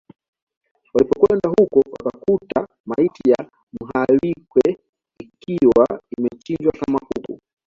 Walipokwenda huko wakakuta maiti ya Mhalwike ikiwa imechinjwa kama kuku